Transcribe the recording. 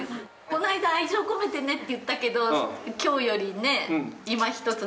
この間愛情込めてねって言ったけど今日よりねいまひとつだったけど。